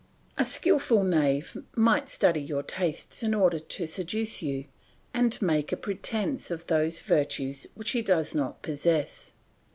A skilful knave might study your tastes in order to seduce you, and make a pretence of those virtues which he does not possess.